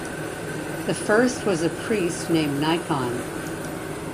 The first was a priest named Nikon.